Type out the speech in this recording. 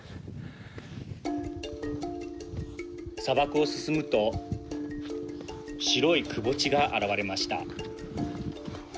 砂漠を進むと白いくぼ地が現れました。